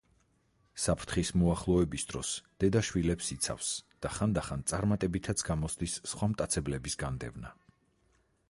საფრთხის მოახლოების დროს დედა შვილებს იცავს და ხანდახან წარმატებითაც გამოსდის სხვა მტაცებლების განდევნა.